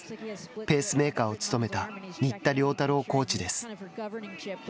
ペースメーカーを務めた新田良太郎コーチです。